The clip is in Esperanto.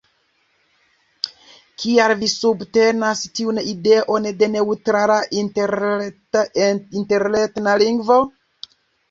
Kial vi subtenas tiun ideon de neŭtrala interetna lingvo?